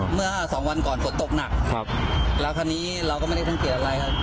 เมื่อสองวันก่อนฝนตกหนักครับแล้วทีนี้เราก็ไม่ได้สังเกตอะไร